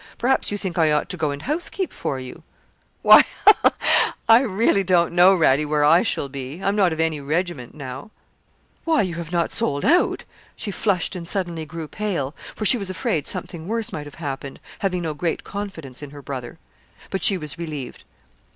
Perhaps you think I ought to go and housekeep for you.' 'Why ha, ha! I really don't know, Radie, where I shall be. I'm not of any regiment now.' 'Why, you have not sold out?' She flushed and suddenly grew pale, for she was afraid something worse might have happened, having no great confidence in her brother. But she was relieved.